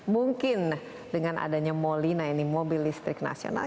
mungkin dengan adanya moli nah ini mobil listrik nasional